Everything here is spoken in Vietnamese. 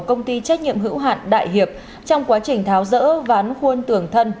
công ty trách nhiệm hữu hạn đại hiệp trong quá trình tháo rỡ ván khuôn tường thân